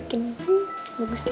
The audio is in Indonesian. ntar kan juga gue balik